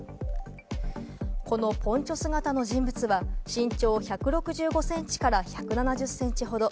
このポンチョ姿の人物は身長１６５センチ１７０センチほど。